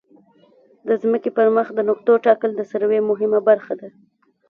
د ځمکې پر مخ د نقطو ټاکل د سروې مهمه برخه ده